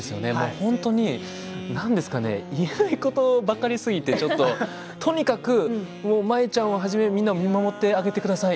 本当に何ですかね言えないことがありすぎてちょっととにかく舞ちゃんをはじめみんなを見守ってあげてください。